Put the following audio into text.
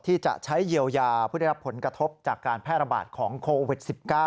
ที่จะใช้เยียวยาผู้ได้รับผลกระทบจากการแพร่ระบาดของโควิด๑๙